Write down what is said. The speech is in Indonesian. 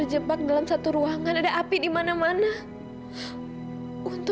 rahimaya juga udah diangkat